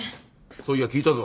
そういや聞いたぞ。